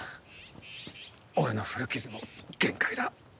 俺の古傷も限界だ。